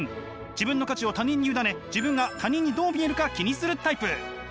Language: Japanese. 自分の価値を他人に委ね自分が他人にどう見えるか気にするタイプ。